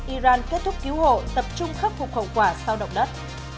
iran kết thúc cứu hộ tập trung khắc phục hậu quả sau động đất